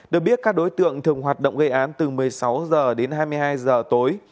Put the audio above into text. được biết các đối tượng thường hoạt động gây án từ một mươi sáu h đến hai mươi hai h tối